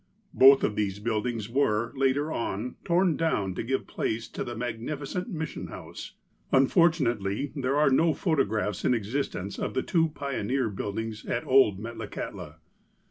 Both of these buildings were, later on, torn down to give place to the magnificent Mission House. Unfortunately, there are no photographs in existence of the two pioneer buildings at ''old" Metlakahtla.